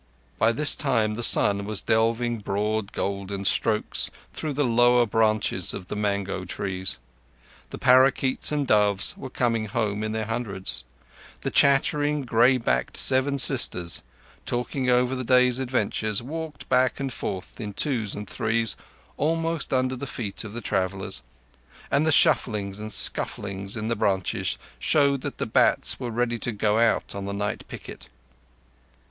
By this time the sun was driving broad golden spokes through the lower branches of the mango trees; the parakeets and doves were coming home in their hundreds; the chattering, grey backed Seven Sisters, talking over the day's adventures, walked back and forth in twos and threes almost under the feet of the travellers; and shufflings and scufflings in the branches showed that the bats were ready to go out on the night picket.